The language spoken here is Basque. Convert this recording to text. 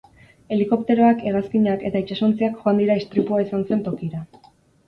Helikopteroak, hegazkinak eta itsasontziak joan dira istripua izan den tokira.